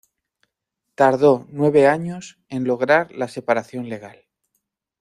Tardó nueve años en lograr la separación legal.